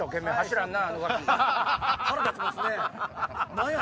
何や！